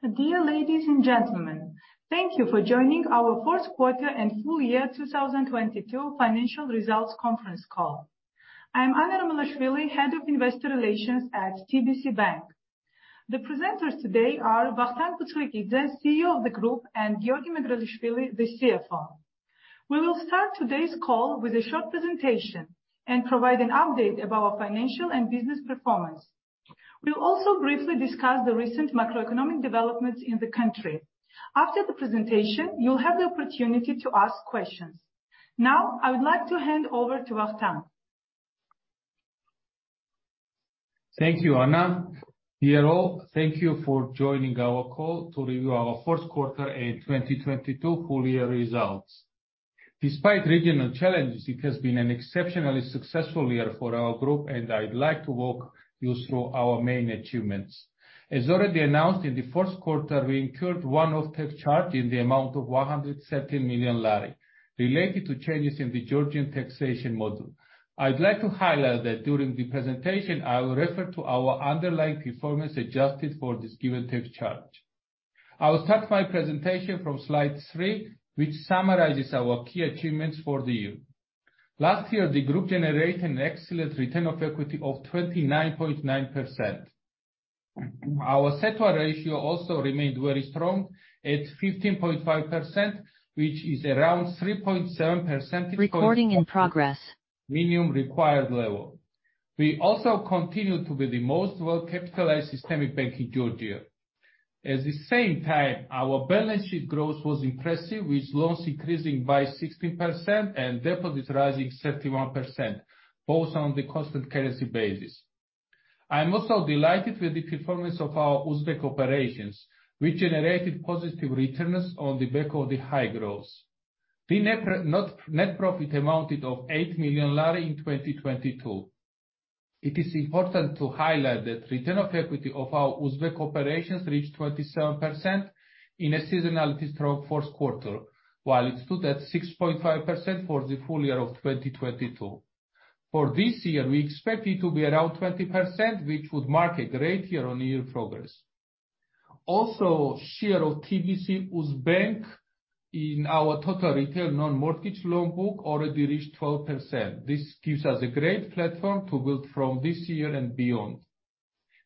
Dear ladies and gentlemen, thank you for joining our fourth quarter and full year 2022 financial results conference call. I am Ana Romelashvili, Head of Investor Relations at TBC Bank. The presenters today are Vakhtang Butskhrikidze, the CEO of the group, and Giorgi Megrelishvili, the CFO. We will start today's call with a short presentation and provide an update about our financial and business performance. We'll also briefly discuss the recent macroeconomic developments in the country. After the presentation, you'll have the opportunity to ask questions. Now, I would like to hand over to Vakhtang. Thank you, Ana. Dear all, thank you for joining our call to review our fourth quarter and 2022 full year results. Despite regional challenges, it has been an exceptionally successful year for our group, and I'd like to walk you through our main achievements. As already announced, in the first quarter, we incurred one-off tax charge in the amount of GEL 117 million related to changes in the Georgian taxation model. I'd like to highlight that during the presentation, I will refer to our underlying performance adjusted for this given tax charge. I will start my presentation from slide three, which summarizes our key achievements for the year. Last year, the group generated an excellent return of equity of 29.9%. Our CET1 ratio also remained very strong at 15.5%, which is around 3.7 percentage points. Minimum required level. We also continued to be the most well-capitalized systemic bank in Georgia. At the same time, our balance sheet growth was impressive, with loans increasing by 16% and deposits rising 31%, both on the constant currency basis. I am also delighted with the performance of our Uzbek operations, which generated positive returns on the back of the high growth. The net profit amounted of GEL 8 million in 2022. It is important to highlight that return of equity of our Uzbek operations reached 27% in a seasonality strong first quarter, while it stood at 6.5% for the full year of 2022. For this year, we expect it to be around 20%, which would mark a great year-on-year progress. Also, share of TBC UZ Bank in our total retail non-mortgage loan book already reached 12%. This gives us a great platform to build from this year and beyond.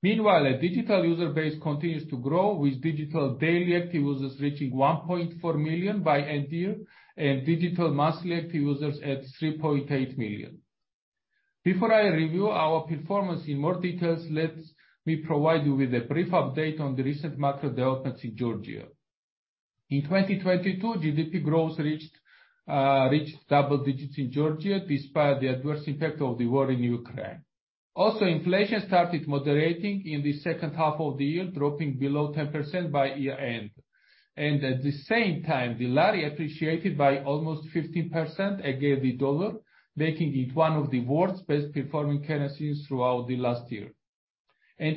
Meanwhile, our digital user base continues to grow, with digital daily active users reaching 1.4 million by end year and digital monthly active users at 3.8 million. Before I review our performance in more details, let me provide you with a brief update on the recent market developments in Georgia. In 2022, GDP growth reached double digits in Georgia, despite the adverse impact of the war in Ukraine. Also, inflation started moderating in the second half of the year, dropping below 10% by year-end. At the same time, the lari appreciated by almost 15% against the dollar, making it one of the world's best performing currencies throughout the last year.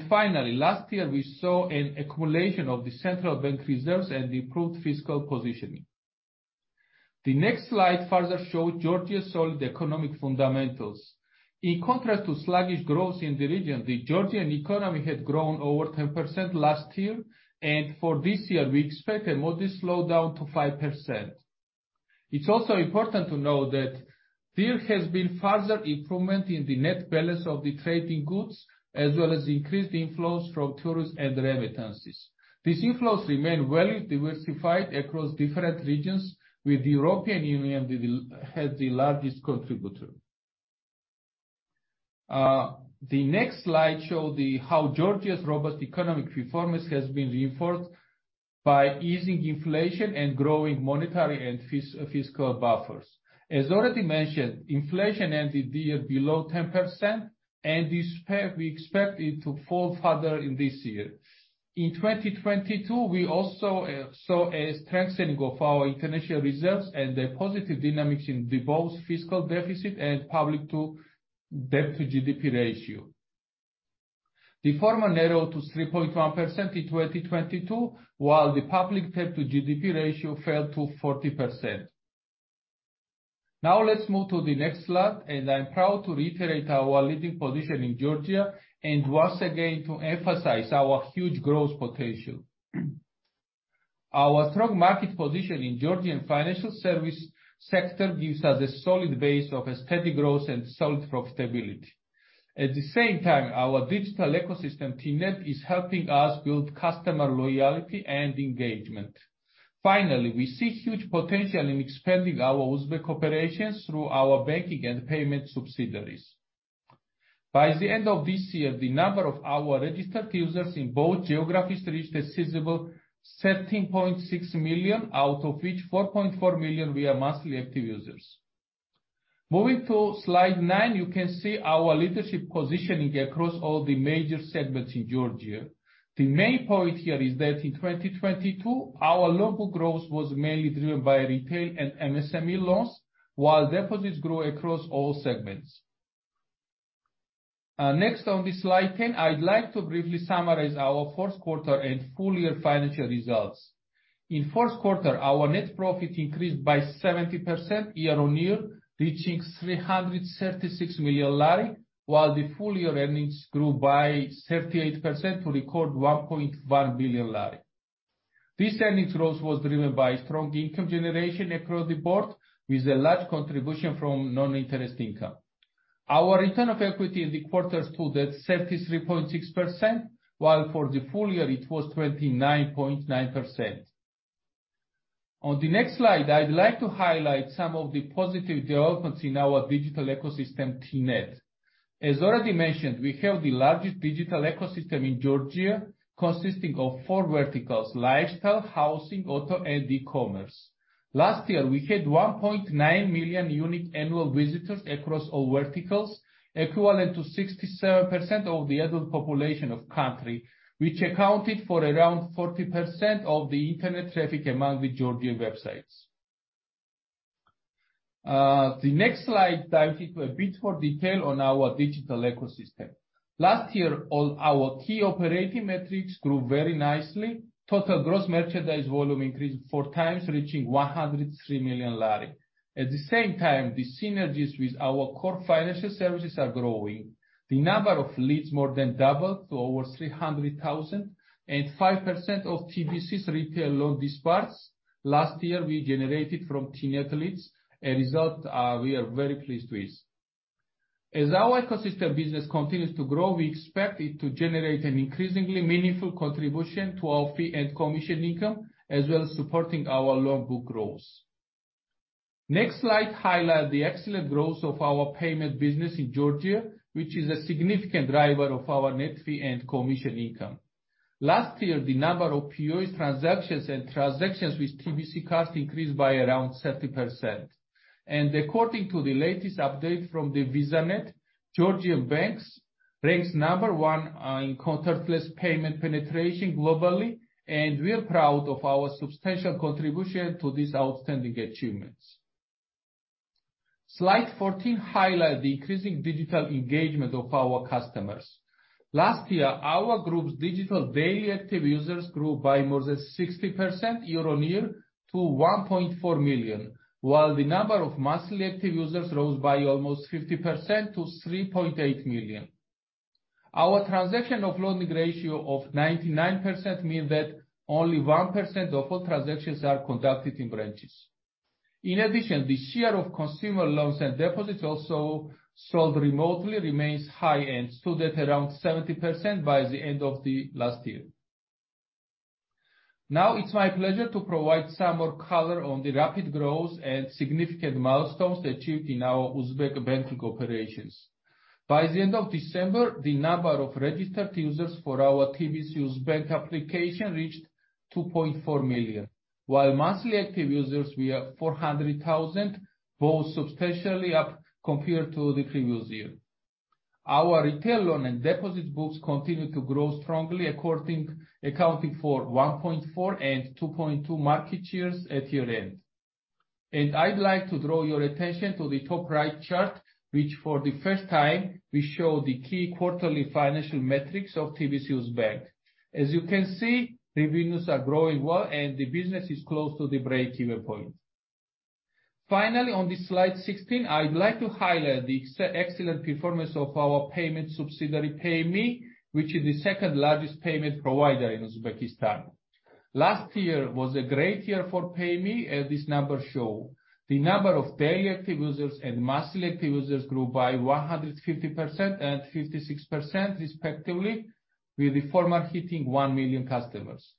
Finally, last year, we saw an accumulation of the central bank reserves and improved fiscal positioning. The next slide further show Georgia's solid economic fundamentals. In contrast to sluggish growth in the region, the Georgian economy had grown over 10% last year, and for this year, we expect a modest slowdown to 5%. It's also important to note that there has been further improvement in the net balance of the trading goods, as well as increased inflows from tourists and remittances. These inflows remain well diversified across different regions with the European Union as the largest contributor. The next slide show the how Georgia's robust economic performance has been reinforced by easing inflation and growing monetary and fiscal buffers. As already mentioned, inflation ended the year below 10% and we expect it to fall further in this year. In 2022, we also saw a strengthening of our international reserves and a positive dynamics in the both fiscal deficit and debt-to-GDP ratio. The former narrowed to 3.1% in 2022, while the public debt-to-GDP ratio fell to 40%. Now, let's move to the next slide, and I'm proud to reiterate our leading position in Georgia and once again to emphasize our huge growth potential. Our strong market position in Georgian financial service sector gives us a solid base of a steady growth and solid profitability. At the same time, our digital ecosystem, TNET, is helping us build customer loyalty and engagement. Finally, we see huge potential in expanding our Uzbek operations through our banking and payment subsidiaries. By the end of this year, the number of our registered users in both geographies reached a sizable 13.6 million, out of which 4.4 million were monthly active users. Moving to slide nine, you can see our leadership positioning across all the major segments in Georgia. The main point here is that in 2022, our loan book growth was mainly driven by retail and MSME loans, while deposits grew across all segments. Next, on the slide 10, I'd like to briefly summarize our fourth quarter and full year financial results. In first quarter, our net profit increased by 70% year-on-year, reaching GEL 336 million, while the full year earnings grew by 38% to record GEL 1.1 billion. This earnings growth was driven by strong income generation across the board with a large contribution from non-interest income. Our return of equity in the quarter stood at 33.6%, while for the full year it was 29.9%. On the next slide, I'd like to highlight some of the positive developments in our digital ecosystem, TNET. As already mentioned, we have the largest digital ecosystem in Georgia, consisting of four verticals: lifestyle, housing, auto, and e-commerce. Last year, we had 1.9 million unique annual visitors across all verticals, equivalent to 67% of the adult population of country, which accounted for around 40% of the internet traffic among the Georgian websites. The next slide dives into a bit more detail on our digital ecosystem. Last year, all our key operating metrics grew very nicely. Total gross merchandise volume increased 4x, reaching GEL 103 million. At the same time, the synergies with our core financial services are growing. The number of leads more than doubled to over 300,000, and 5% of TBC's retail loan disperses last year we generated from TNET leads, a result we are very pleased with. As our ecosystem business continues to grow, we expect it to generate an increasingly meaningful contribution to our fee and commission income, as well as supporting our loan book growth. Next slide highlight the excellent growth of our payment business in Georgia, which is a significant driver of our net fee and commission income. Last year, the number of POS, transactions, and transactions with TBC cards increased by around 30%. According to the latest update from the VisaNet, Georgian banks ranks number one in contactless payment penetration globally, and we're proud of our substantial contribution to these outstanding achievements. Slide 14 highlight the increasing digital engagement of our customers. Last year, our group's digital daily active users grew by more than 60% year-over-year to 1.4 million, while the number of monthly active users rose by almost 50% to 3.8 million. Our transaction offloading ratio of 99% mean that only 1% of all transactions are conducted in branches. In addition, the share of consumer loans and deposits also sold remotely remains high and stood at around 70% by the end of the last year. Now it's my pleasure to provide some more color on the rapid growth and significant milestones achieved in our Uzbek banking operations. By the end of December, the number of registered users for our TBC UZ Bank application reached 2.4 million, while monthly active users were 400,000, both substantially up compared to the previous year. Our retail loan and deposit books continued to grow strongly accounting for 1.4 and 2.2 market shares at year-end. I'd like to draw your attention to the top right chart, which for the first time will show the key quarterly financial metrics of TBC UZ Bank. As you can see, revenues are growing well, and the business is close to the break-even point. Finally, on the slide 16, I'd like to highlight the excellent performance of our payment subsidiary, Payme, which is the second largest payment provider in Uzbekistan. Last year was a great year for Payme, as these numbers show. The number of daily active users and monthly active users grew by 150% and 56% respectively, with the former hitting 1 million customers.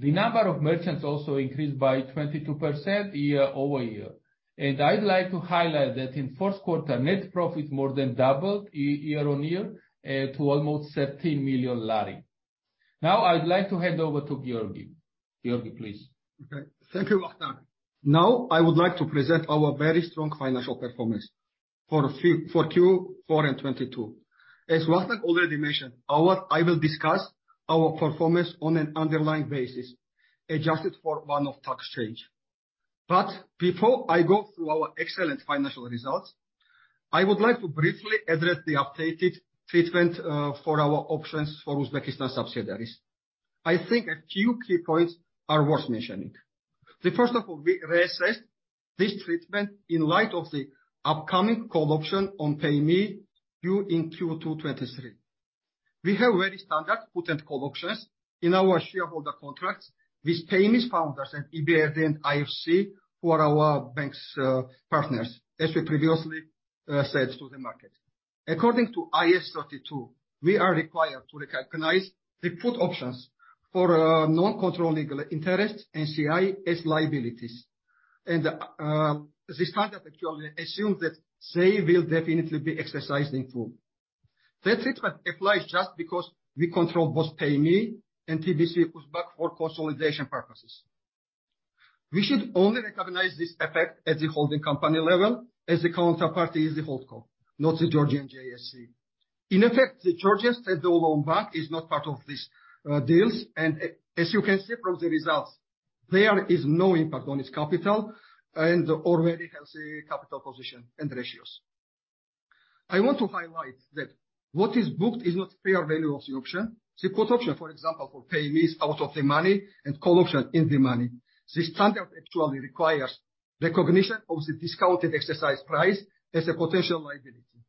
The number of merchants also increased by 22% year-over-year. I'd like to highlight that in the first quarter, net profit more than doubled year on year, to almost GEL 13 million. I'd like to hand over to Giorgi. Giorgi, please. Okay. Thank you, Vakhtang. Now, I would like to present our very strong financial performance for Q4 in 2022. As Vakhtang already mentioned, I will discuss our performance on an underlying basis, adjusted for one-off tax change. Before I go through our excellent financial results, I would like to briefly address the updated treatment for our options for Uzbekistan subsidiaries. I think a few key points are worth mentioning. The first of all, we reassessed this treatment in light of the upcoming call option on Payme due in Q2 2023. We have very standard put and call options in our shareholder contracts with Payme's founders and EBRD and IFC, who are our bank's partners, as we previously said to the market. According to IAS 32, we are required to recognize the put options for non-controlling interests, NCI, as liabilities. The standard actually assumes that they will definitely be exercised in full. That treatment applies just because we control both Payme and TBC UZ Bank for consolidation purposes. We should only recognize this effect at the holding company level, as the counterparty is the holdco, not the Georgian JSC. In effect, the Georgian standalone bank is not part of these deals. As you can see from the results, there is no impact on its capital and already has a capital position and ratios. I want to highlight that what is booked is not fair value of the option. The put option, for example, for Payme is out of the money and call option in the money. The standard actually requires recognition of the discounted exercise price as a potential liability,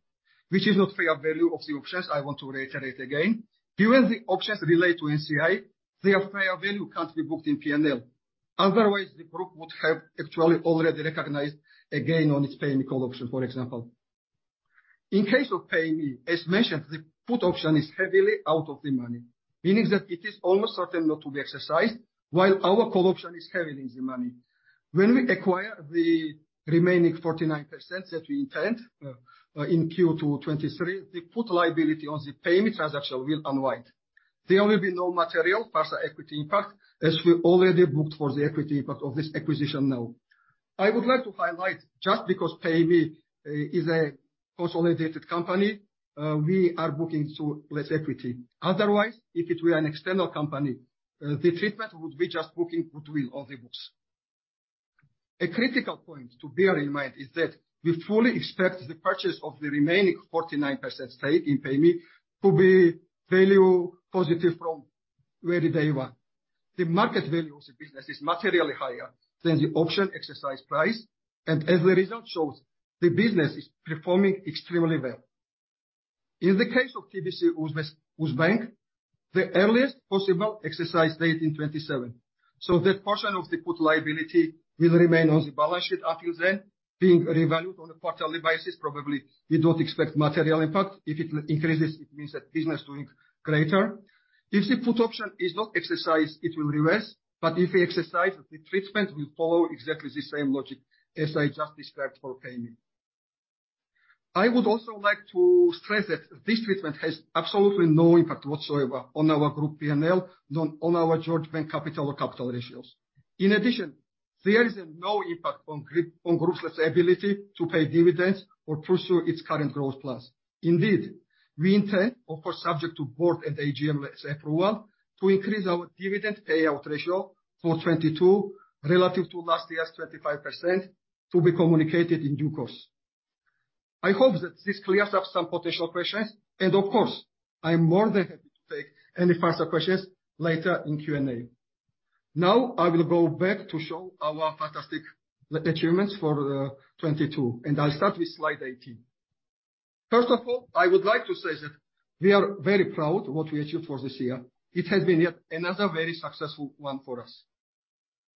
which is not fair value of the options, I want to reiterate again. Given the options relate to NCI, their fair value can't be booked in P&L. Otherwise, the group would have actually already recognized a gain on its PayMe call option, for example. In case of PayMe, as mentioned, the put option is heavily out of the money, meaning that it is almost certain not to be exercised, while our call option is heavily in the money. When we acquire the remaining 49% that we intend in Q2 2023, the put liability on the PayMe transaction will unwind. There will be no material faster equity impact as we already booked for the equity impact of this acquisition now. I would like to highlight, just because PayMe is a consolidated company, we are booking to less equity. Otherwise, if it were an external company, the treatment would be just booking goodwill on the books. A critical point to bear in mind is that we fully expect the purchase of the remaining 49% stake in Payme to be value positive from really day one. The market value of the business is materially higher than the option exercise price, and as the result shows, the business is performing extremely well. In the case of TBC UZ Bank, the earliest possible exercise date in 2027. That portion of the put liability will remain on the balance sheet up until then, being revalued on a quarterly basis. Probably, we don't expect material impact. If it increases, it means that business doing greater. If the put option is not exercised, it will reverse. If we exercise, the treatment will follow exactly the same logic as I just described for Payme. I would also like to stress that this treatment has absolutely no impact whatsoever on our group P&L, nor on our TBC Bank capital or capital ratios. In addition, there is no impact on group's ability to pay dividends or pursue its current growth plans. Indeed, we intend, of course, subject to Board and AGM approval, to increase our dividend payout ratio for 2022 relative to last year's 25% to be communicated in due course. I hope that this clears up some potential questions, and of course, I am more than happy to take any further questions later in Q&A. I will go back to show our fantastic achievements for 2022, and I'll start with slide 18. First of all, I would like to say that we are very proud of what we achieved for this year. It has been yet another very successful one for us.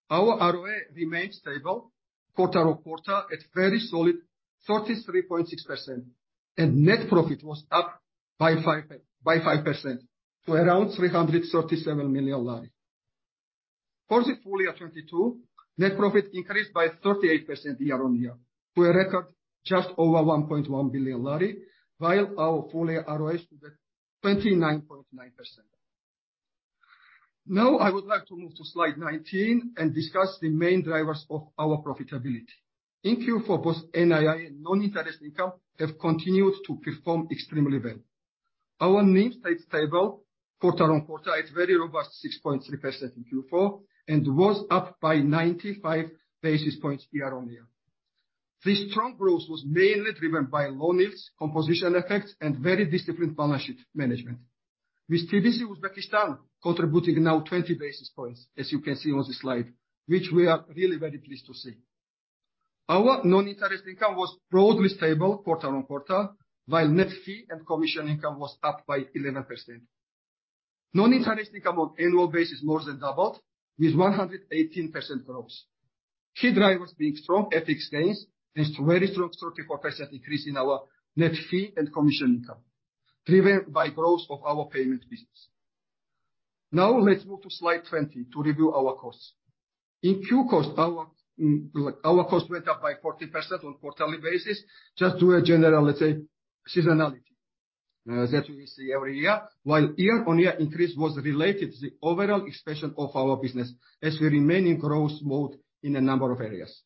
Our ROE remained stable quarter-on-quarter at very solid 33.6%. Net profit was up by 5% to around GEL 337 million. For the full year 2022, net profit increased by 38% year-on-year to a record just over GEL 1.1 billion, while our full-year ROE stood at 29.9%. I would like to move to slide 19 and discuss the main drivers of our profitability. In Q4, both NII and non-interest income have continued to perform extremely well. Our NIM stayed stable quarter-on-quarter at very robust 6.3% in Q4 and was up by 95 basis points year-on-year. This strong growth was mainly driven by loan yields, composition effects, and very disciplined balance sheet management, with TBC Uzbekistan contributing now 20 basis points, as you can see on this slide, which we are really very pleased to see. Our non-interest income was broadly stable quarter on quarter, while net fee and commission income was up by 11%. Non-interest income on annual basis more than doubled, with 118% growth. Key drivers being strong FX gains and very strong 34% increase in our net fee and commission income, driven by growth of our payment business. Let's move to slide 20 to review our costs. In Q, cost our cost went up by 40% on quarterly basis just to a general, let's say, seasonality that we see every year, while year-on-year increase was related to the overall expansion of our business as we remain in growth mode in a number of areas.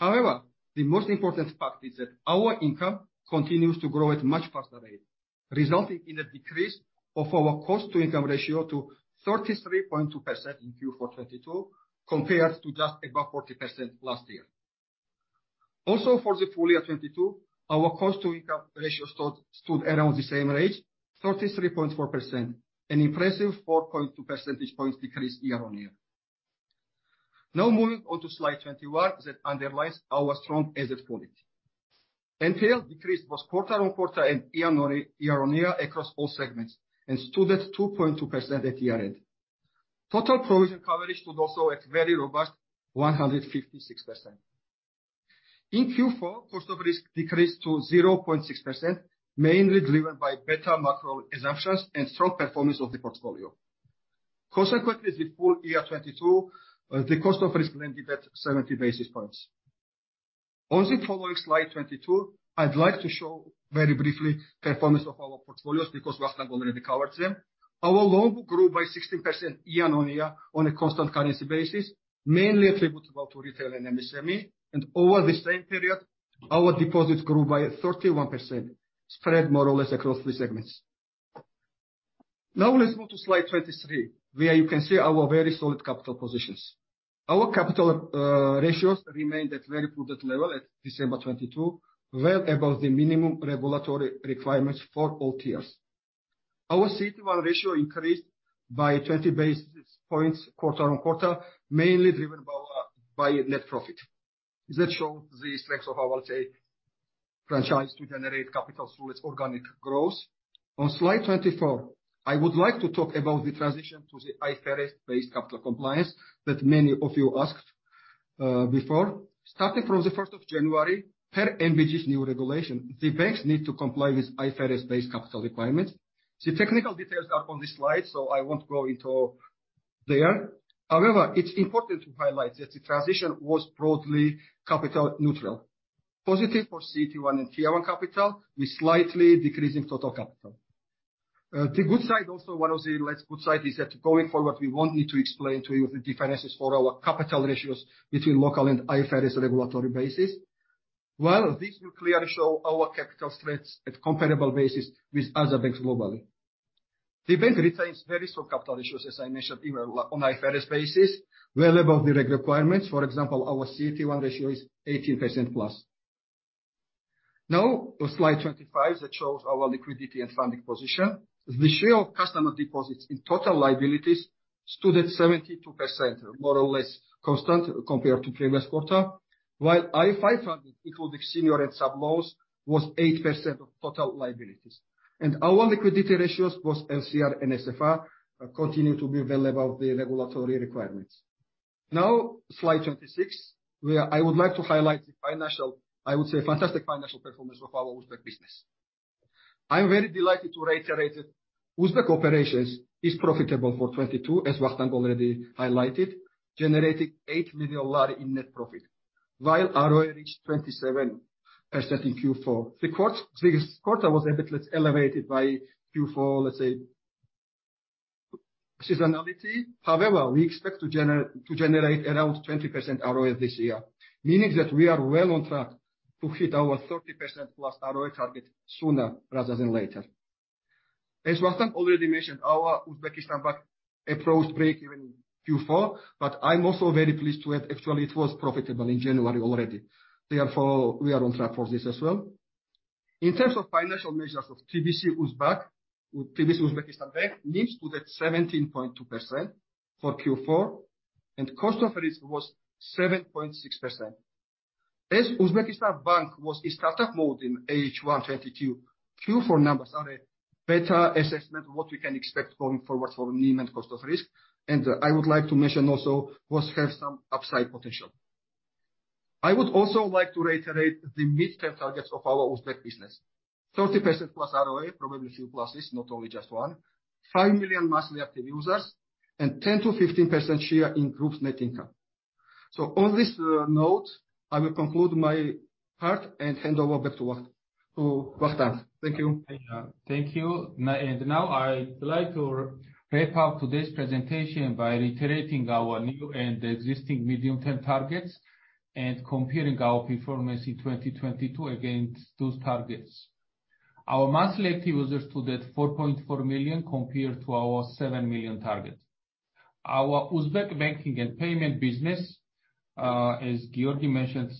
The most important fact is that our income continues to grow at much faster rate, resulting in a decrease of our cost to income ratio to 33.2% in Q4 2022 compared to just above 40% last year. For the full year 2022, our cost to income ratio stood around the same rate, 33.4%, an impressive 4.2 percentage points decrease year-on-year. Moving on to slide 21 that underlies our strong asset quality. NPL decrease was quarter-on-quarter and year-on-year across all segments and stood at 2.2% at year-end. Total provision coverage stood also at very robust 156%. In Q4, cost of risk decreased to 0.6%, mainly driven by better macro assumptions and strong performance of the portfolio. Consequently, the full year 2022, the cost of risk landed at 70 basis points. On the following slide 22, I'd like to show very briefly performance of our portfolios because Vakhtang already covered them. Our loan book grew by 16% year-on-year on a constant currency basis, mainly attributable to retail and MSME. Over the same period, our deposits grew by 31%, spread more or less across the segments. Now let's move to slide 23, where you can see our very solid capital positions. Our capital ratios remained at very prudent level at December 2022, well above the minimum regulatory requirements for all tiers. Our CET1 ratio increased by 20 basis points quarter-on-quarter, mainly driven by net profit. That shows the strength of our, let's say, franchise to generate capital through its organic growth. On slide 24, I would like to talk about the transition to the IFRS-based capital compliance that many of you asked before. Starting from the 1st of January, per NBG's new regulation, the banks need to comply with IFRS-based capital requirements. The technical details are on this slide, I won't go into there. However, it's important to highlight that the transition was broadly capital neutral. Positive for CET1 and Tier 1 capital, with slightly decreasing total capital. The good side also, one of the less good side is that going forward, we won't need to explain to you the differences for our capital ratios between local and IFRS regulatory basis. This will clearly show our capital strengths at comparable basis with other banks globally. The bank retains very strong capital ratios, as I mentioned, even on IFRS basis, well above the reg requirements. For example, our CET1 ratio is 18%+. On slide 25 that shows our liquidity and funding position. The share of customer deposits in total liabilities stood at 72%, more or less constant compared to previous quarter. IFI funding, including senior and sub loans, was 8% of total liabilities. Our liquidity ratios, both LCR and SFR continue to be well above the regulatory requirements. Slide 26, where I would like to highlight the financial, I would say, fantastic financial performance of our Uzbek business. I'm very delighted to reiterate Uzbek operations is profitable for 2022, as Vakhtang already highlighted, generating GEL 8 million in net profit, while ROE reached 27% in Q4. This quarter was a bit elevated by Q4, let's say, seasonality. We expect to generate around 20% ROE this year, meaning that we are well on track to hit our 30%+ ROE target sooner rather than later. Vakhtang already mentioned, our Uzbekistan bank approached break even in Q4, but I'm also very pleased to add actually it was profitable in January already. We are on track for this as well. In terms of financial measures of TBC UZ Bank, TBC Uzbekistan Bank, NIM stood at 17.2% for Q4. Cost of risk was 7.6%. As Uzbekistan bank was in startup mode in H1 2022, Q4 numbers are a better assessment of what we can expect going forward for NIM and cost of risk. I would like to mention also, both have some upside potential. I would also like to reiterate the midterm targets of our Uzbek business. 30%+ ROE, probably a few pluses, not only just one. 5 million monthly active users, and 10%-15% share in group's net income. On this note, I will conclude my part and hand over back to Vakhtang. Thank you. Thank you. Now I'd like to wrap up today's presentation by reiterating our new and existing medium-term targets and comparing our performance in 2022 against those targets. Our monthly active users stood at 4.4 million compared to our 7 million target. Our Uzbek banking and payment business, as Giorgi mentioned,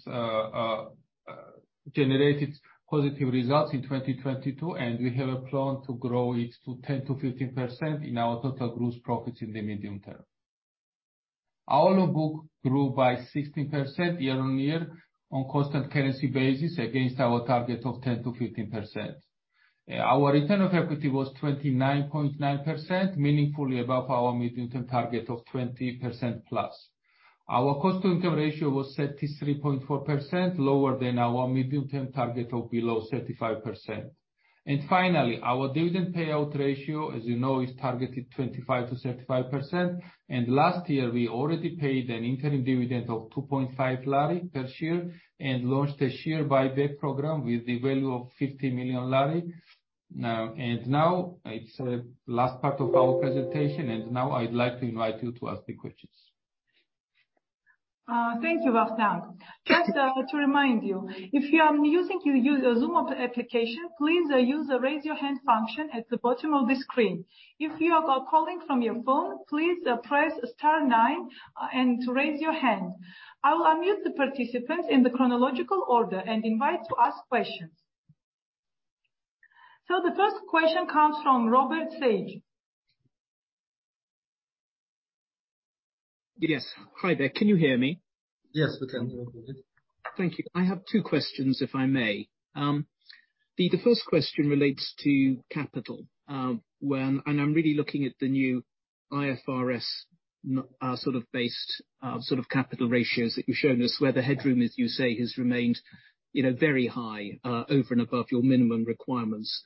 generated positive results in 2022, and we have a plan to grow it to 10%-15% in our total Group's profits in the medium term. Our loan book grew by 16% year on year on constant currency basis against our target of 10%-15%. Our return of equity was 29.9%, meaningfully above our medium-term target of 20%+. Our cost to income ratio was 33.4%, lower than our medium-term target of below 35%. Finally, our dividend payout ratio, as you know, is targeted 25%-35%. Last year we already paid an interim dividend of GEL 2.5 per share and launched a share buyback program with the value of GEL 50 million. Now it's the last part of our presentation. Now I'd like to invite you to ask the questions. Thank you, Vakhtang. Just to remind you, if you are using your Zoom application, please use the Raise Your Hand function at the bottom of the screen. If you are calling from your phone, please press star nine and raise your hand. I will unmute the participants in the chronological order and invite to ask questions. The first question comes from Robert Sage. Yes. Hi there. Can you hear me? Yes, we can. Thank you. I have two questions, if I may. The first question relates to capital, when I'm really looking at the new IFRS sort of based, sort of capital ratios that you've shown us, where the headroom, as you say, has remained, you know, very high, over and above your minimum requirements.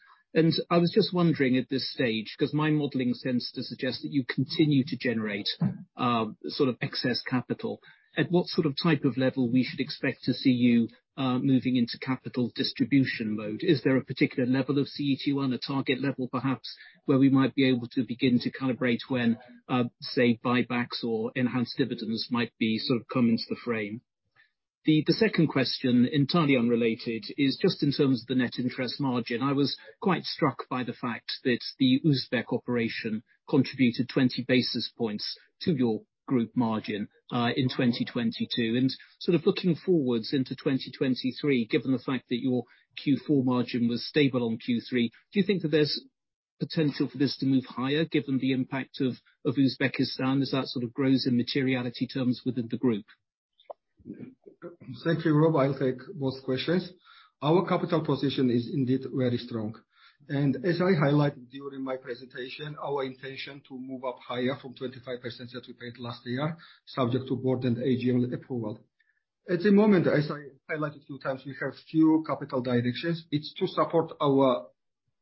I was just wondering at this stage, 'cause my modeling sense does suggest that you continue to generate, sort of excess capital. At what sort of type of level we should expect to see you moving into capital distribution mode? Is there a particular level of CET1, a target level perhaps, where we might be able to begin to calibrate when, say, buybacks or enhanced dividends might be, sort of come into the frame? The second question, entirely unrelated, is just in terms of the net interest margin. I was quite struck by the fact that the Uzbek operation contributed 20 basis points to your group margin in 2022. Sort of looking forwards into 2023, given the fact that your Q4 margin was stable on Q3, do you think that there's potential for this to move higher given the impact of Uzbekistan as that sort of grows in materiality terms within the group? Thank you, Rob. I'll take both questions. Our capital position is indeed very strong. As I highlighted during my presentation, our intention to move up higher from 25% that we paid last year, subject to Board and AGM approval. At the moment, as I highlighted a few times, we have few capital directions. It's to support our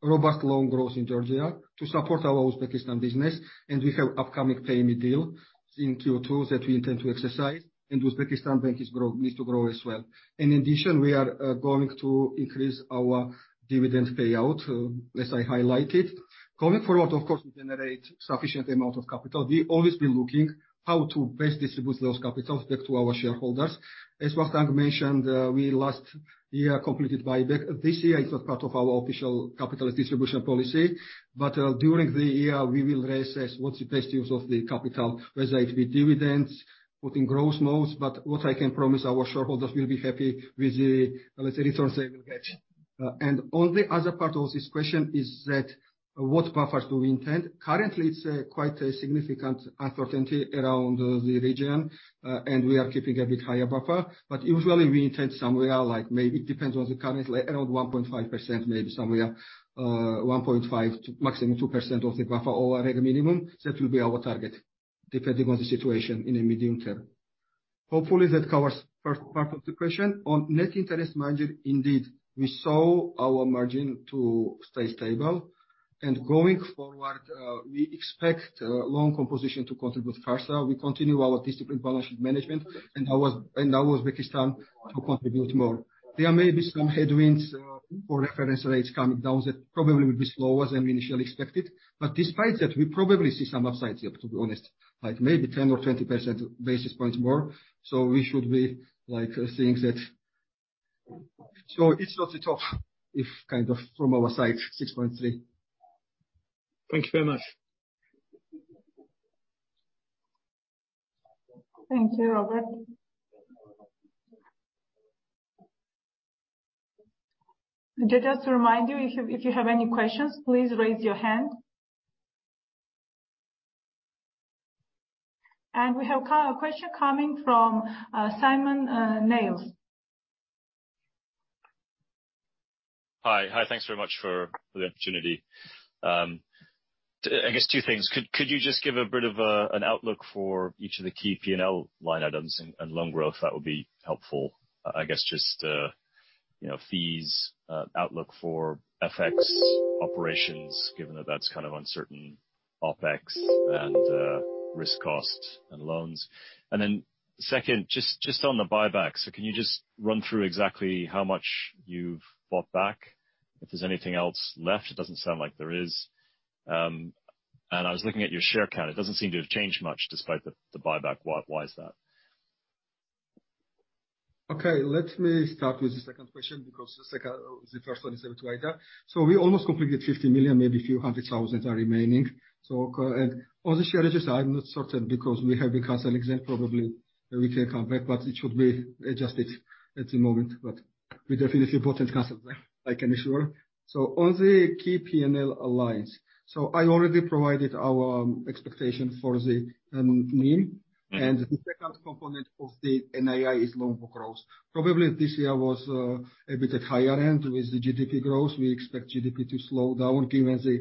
robust loan growth in Georgia, to support our Uzbekistan business, and we have upcoming payment deal in Q2 that we intend to exercise, and Uzbekistan bank needs to grow as well. In addition, we are going to increase our dividend payout, as I highlighted. Going forward, of course, we generate sufficient amount of capital. We've always been looking how to best distribute those capitals back to our shareholders. As Vakhtang mentioned, we last year completed buyback. This year it's not part of our official capital distribution policy. During the year, we will reassess what's the best use of the capital, whether it be dividends, putting growth modes. What I can promise, our shareholders will be happy with the, let's say, returns they will get. On the other part of this question is that what buffers do we intend? Currently it's quite a significant uncertainty around the region, we are keeping a bit higher buffer. Usually we intend somewhere like maybe, depends on the current, around 1.5%, maybe somewhere 1.5%-2% of the buffer over the minimum. That will be our target, depending on the situation in the medium term. Hopefully that covers first part of the question. On net interest margin, indeed, we saw our margin to stay stable. Going forward, we expect loan composition to contribute faster. We continue our disciplined balance sheet management, and our Uzbekistan to contribute more. There may be some headwinds for reference rates coming down that probably will be slower than we initially expected. Despite that, we probably see some upsides here, to be honest, like maybe 10 or 20 basis points more. We should be, like, seeing that. It's not at all if kind of from our side, 6.3. Thank you very much. Thank you, Robert. Just to remind you, if you have any questions, please raise your hand. We have a question coming from Simon Nellis. Hi. Hi, thanks very much for the opportunity. I guess two things. Could you just give a bit of a, an outlook for each of the key P&L line items and loan growth? That would be helpful. I guess just, you know, fees, outlook for FX operations, given that that's kind of uncertain, OpEx and risk costs and loans. Then second, just on the buyback, so can you just run through exactly how much you've bought back, if there's anything else left? It doesn't sound like there is. I was looking at your share count. It doesn't seem to have changed much despite the buyback. Why is that? Let me start with the second question, because the second, the first one is a bit wider. We almost completed GEL 50 million, maybe GEL few hundred thousands are remaining. And on the shareages, I'm not certain because we have the cancel exempt, probably we can come back, but it should be adjusted at the moment. We definitely bought and canceled, I can assure. On the key P&L alliance, I already provided our expectation for the NIM. Mm-hmm. The second component of the NII is loan book growth. Probably this year was a bit at higher end with the GDP growth. We expect GDP to slow down given the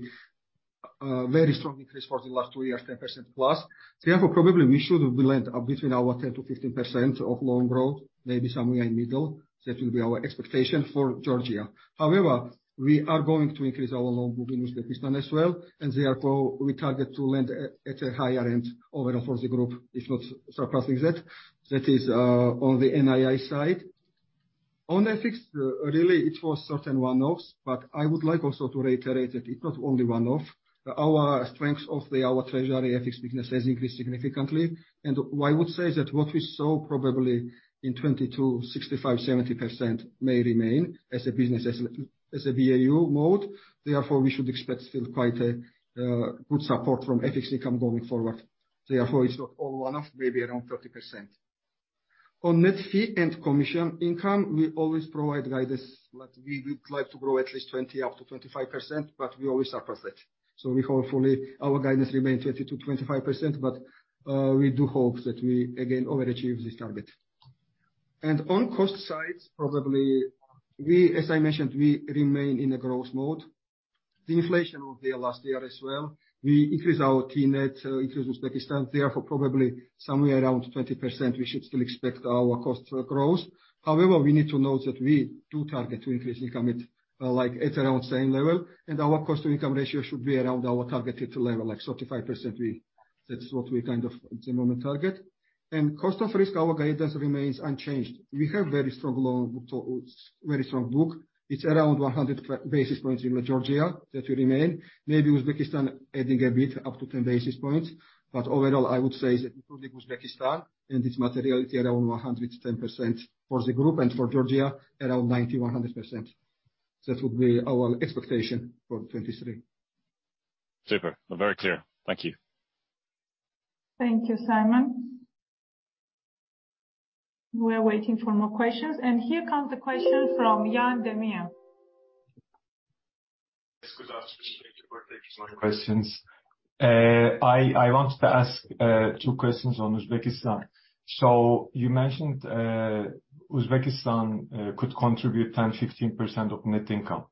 very strong increase for the last 2 years, 10%+. Therefore, probably we should be lend between our 10%-15% of loan growth, maybe somewhere in middle. That will be our expectation for Georgia. However, we are going to increase our loan book in Uzbekistan as well, and therefore we target to lend at a higher end overall for the group, if not surpassing that. That is on the NII side. On FX, really it was certain one-offs, but I would like also to reiterate that it's not only one-off. Our strength of our treasury FX business has increased significantly. I would say that what we saw probably in 2022, 65%-70% may remain as a business, as a BAU mode. We should expect still quite a good support from FX income going forward. It's not all one-off, maybe around 30%. On net fee and commission income, we always provide guidance that we would like to grow at least 20%-25%, but we always surpass that. We hopefully our guidance remain 30%-25%, but we do hope that we again overachieve this target. On cost side, probably we, as I mentioned, we remain in a growth mode. The inflation was there last year as well. We increased our TNET, increased Uzbekistan. Probably somewhere around 20% we should still expect our cost growth. However, we need to note that we do target to increase income at like around same level, and our cost-to-income ratio should be around our targeted level, like 35%. We, that's what we kind of at the moment target. Cost of risk, our guidance remains unchanged. We have very strong loan book, so it's very strong book. It's around 100 basis points in Georgia that will remain, maybe Uzbekistan adding a bit up to 10 basis points. Overall, I would say that including Uzbekistan and its materiality around 100 with 10% for the group and for Georgia around 90%-100%. That would be our expectation for 2023. Super. Very clear. Thank you. Thank you, Simon. We are waiting for more questions. Here comes the question from Can Demir. Yes, good afternoon. Thank you for taking some questions. I wanted to ask two questions on Uzbekistan. You mentioned Uzbekistan could contribute 10%-15% of net income.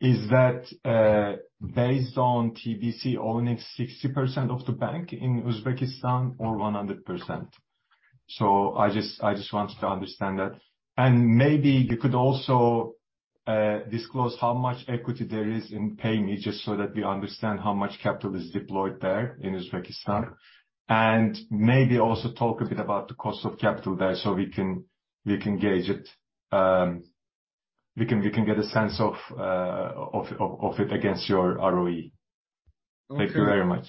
Is that based on TBC owning 60% of the bank in Uzbekistan or 100%? I just want to understand that. Maybe you could also disclose how much equity there is in Payme, just so that we understand how much capital is deployed there in Uzbekistan. Maybe also talk a bit about the cost of capital there, so we can gauge it. We can get a sense of it against your ROE. Okay. Thank you very much.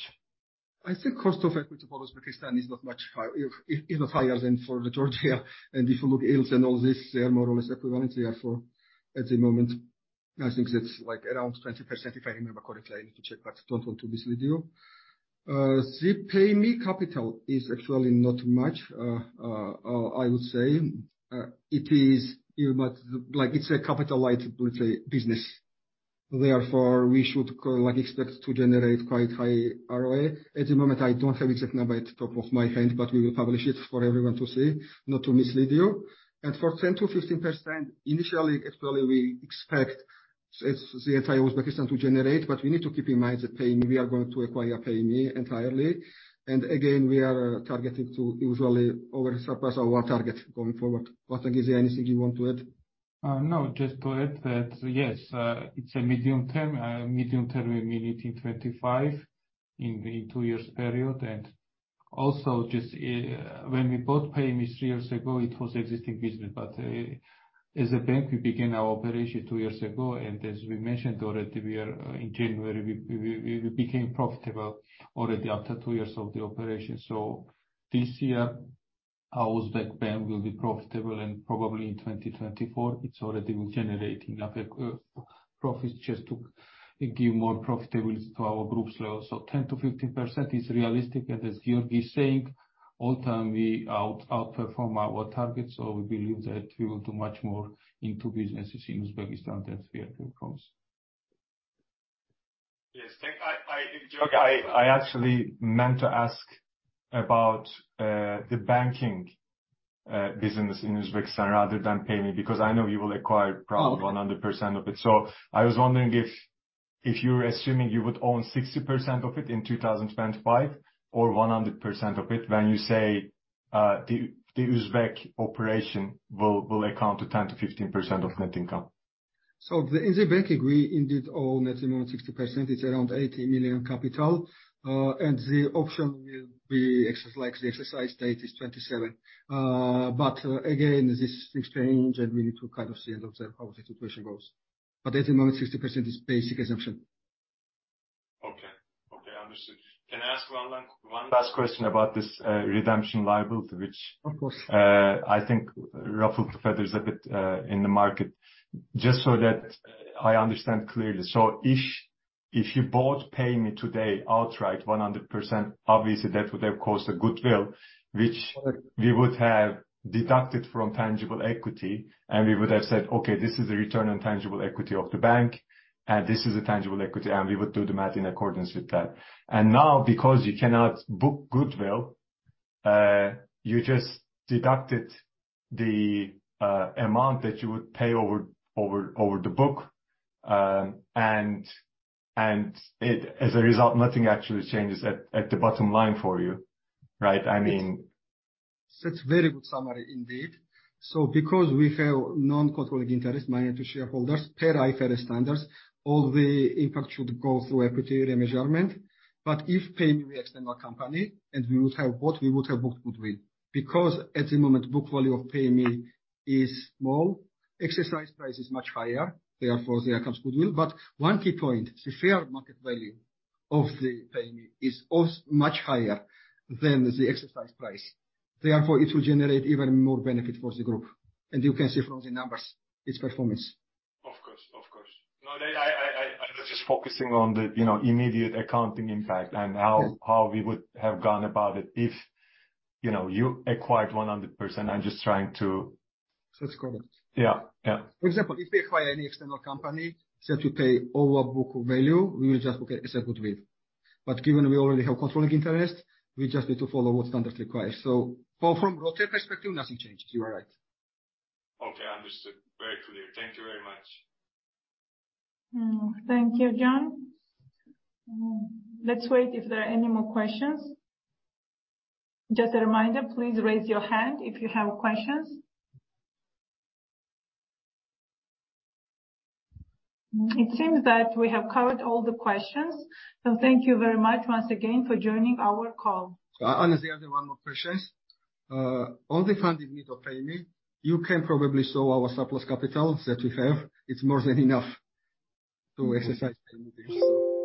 I think cost of equity for Uzbekistan is not much high. Is not higher than for Georgia. If you look IFRS and all this, they are more or less equivalent. At the moment, I think that's like around 20%, if I remember correctly. I need to check, but don't want to mislead you. The Payme capital is actually not much. I would say, it is even much like it's a capital light, let's say, business. We should expect to generate quite high ROE. At the moment, I don't have exact number at the top of my head, but we will publish it for everyone to see, not to mislead you. For 10%-15%, initially, actually we expect it's the entire Uzbekistan to generate. We need to keep in mind that Payme, we are going to acquire Payme entirely. Again, we are targeting to usually oversurpass our target going forward. Vakhtang, is there anything you want to add? No. Just to add that yes, it's a medium term, medium term we mean in 2025, in 2 years period. Also just, when we bought Payme 3 years ago it was existing business. As a bank, we began our operation 2 years ago. As we mentioned already, we are, in January, we became profitable already after 2 years of the operation. This year our Uzbek bank will be profitable, and probably in 2024 it's already generating enough, profits just to give more profitability to our group's level. 10%-15% is realistic. As Giorgi is saying, all time we outperform our targets, so we believe that we will do much more into businesses in Uzbekistan than we have in the past. Yes. I, Giorgi, I actually meant to ask about the banking business in Uzbekistan rather than Payme, because I know you will acquire probably 100% of it. Okay. I was wondering if you're assuming you would own 60% of it in 2025 or 100% of it when you say, the Uzbek operation will account to 10%-15% of net income? In the banking, we indeed own at the moment 60%. It's around GEL 80 million capital. And the option will be like the exercise date is 27. But again, these things change and we need to kind of see and observe how the situation goes. At the moment, 60% is basic assumption. Okay. Okay, understood. Can I ask one last question about this redemption liability. Of course. I think ruffled the feathers a bit in the market. Just so that I understand clearly, so if you bought Payme today outright 100%, obviously that would have caused a goodwill, which we would have deducted from tangible equity, and we would have said, "Okay, this is the return on tangible equity of the bank, and this is the tangible equity." We would do the math in accordance with that. Now, because you cannot book goodwill, you just deducted the amount that you would pay over the book. As a result, nothing actually changes at the bottom line for you, right? I mean. That's very good summary indeed. Because we have non-controlling interest minority shareholders, per IFRS standards, all the impact should go through equity remeasurement. If Payme were external company and we would have bought, we would have booked goodwill. At the moment, book value of Payme is small, exercise price is much higher, therefore there comes goodwill. One key point, the fair market value of the Payme is much higher than the exercise price. Therefore, it will generate even more benefit for the group. You can see from the numbers, its performance. Of course. Of course. I was just focusing on the, you know, immediate accounting impact and how. Yes. How we would have gone about it if, you know, you acquired 100%. I'm just trying to. That's correct. Yeah. Yeah. For example, if we acquire any external company that we pay over book value, we will just book it as a goodwill. Given we already have controlling interest, we just need to follow what standards require. Well, from RoTE perspective, nothing changed. You are right. Okay, understood. Very clear. Thank you very much. Thank you, Can. Let's wait if there are any more questions. Just a reminder, please raise your hand if you have questions. It seems that we have covered all the questions. Thank you very much once again for joining our call. Ana, there are one more questions. On the funding need of Payme, you can probably show our surplus capital that we have. It's more than enough to exercise Payme business, so.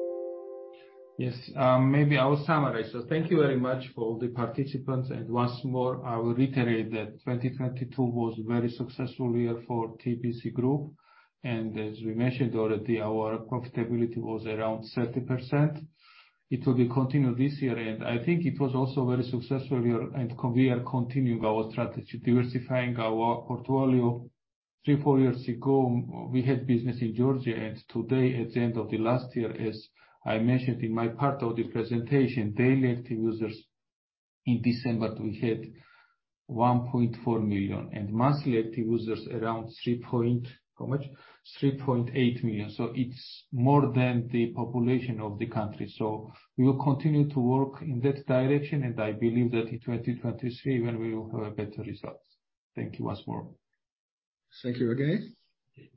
Yes. Maybe I will summarize. Thank you very much for all the participants. Once more, I will reiterate that 2022 was very successful year for TBC Group. As we mentioned already, our profitability was around 30%. It will be continued this year. I think it was also very successful year and we are continuing our strategy, diversifying our portfolio. 3, 4 years ago, we had business in Georgia, and today, at the end of the last year, as I mentioned in my part of the presentation, daily active users in December we hit 1.4 million. Monthly active users around three point. How much? 3.8 million. It's more than the population of the country. We will continue to work in that direction, and I believe that in 2023 when we will have better results. Thank you once more. Thank you again.